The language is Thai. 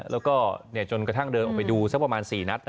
แล้วก็จนกระทั่งเดินออกไปดูสักประมาณ๔นัด